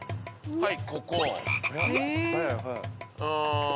はい。